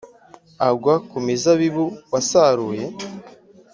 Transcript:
agwa ku mizabibu wasaruye